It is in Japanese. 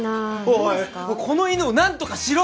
おいこの犬を何とかしろ！